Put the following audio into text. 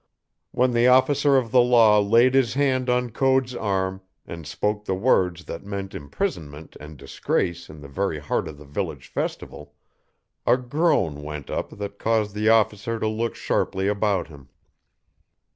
When the officer of the law laid his hand on Code's arm and spoke the words that meant imprisonment and disgrace in the very heart of the village festival, a groan went up that caused the officer to look sharply about him.